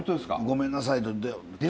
「ごめんなさい」って。